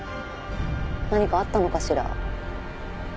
何かあったのかしら？